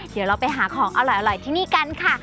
เดี๋ยวเราไปหาของอร่อยที่นี่กันค่ะ